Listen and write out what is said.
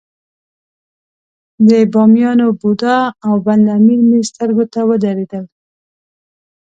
د بامیانو بودا او بند امیر مې سترګو ته ودرېدل.